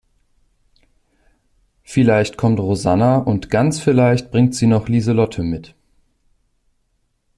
Vielleicht kommt Rosanna und ganz vielleicht bringt sie noch Lieselotte mit.